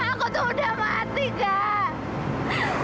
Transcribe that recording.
aku tuh udah mati kak